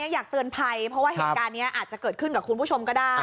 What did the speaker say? อยากเตือนภัยเพราะว่าเหตุการณ์นี้อาจจะเกิดขึ้นกับคุณผู้ชมก็ได้